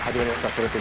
「それって！？